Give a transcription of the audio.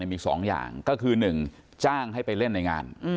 มี๒อย่างก็คือ๑จ้างให้ไปเล่นในงาน